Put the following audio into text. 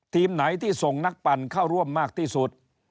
ทีมไหนที่ส่งนักปั่นเข้าร่วมมากที่สุด